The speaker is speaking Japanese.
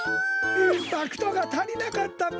インパクトがたりなかったか！